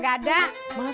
ya udah dah